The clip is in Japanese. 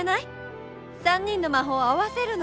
３人の魔法を合わせるの。